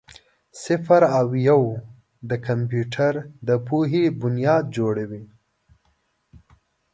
صفر او یو د کمپیوټر د پوهې بنیاد جوړوي.